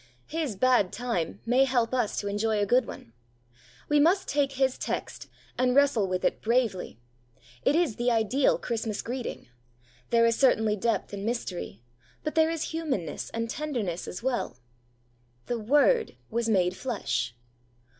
His 'bad time' may help us to enjoy a good one. We must take his text, and wrestle with it bravely. It is the ideal Christmas greeting. There is certainly depth and mystery; but there is humanness and tenderness as well. 'The Word was made flesh.'